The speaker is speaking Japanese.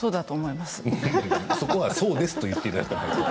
そこはそうですと言っていただきたいです。